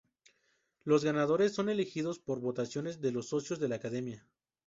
Los ganadores son elegidos por votación de los socios de la Academia.